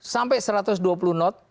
sampai satu ratus dua puluh knot